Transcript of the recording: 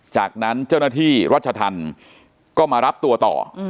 จากนั้นเจ้าหน้าที่รัชธรรมก็มารับตัวต่อ